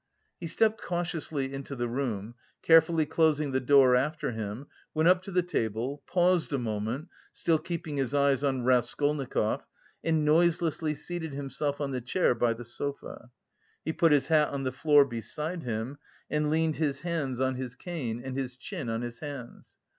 He stepped cautiously into the room, carefully closing the door after him, went up to the table, paused a moment, still keeping his eyes on Raskolnikov, and noiselessly seated himself on the chair by the sofa; he put his hat on the floor beside him and leaned his hands on his cane and his chin on his hands.